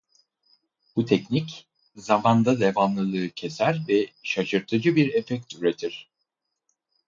Bu teknik zamanda devamlılığı keser ve şaşırtıcı bir efekt üretir.